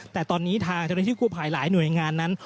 แต่ตอนนี้ทางเจ้าหน้าที่คู่ภายหลายหน่วยงานนั้น